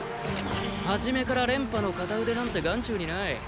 はじめから廉頗の片腕なんて眼中にない。